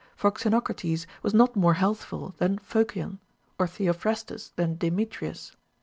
For Xenocrates was not more healthful than Phocion, or Theo phrastus than Demetrius.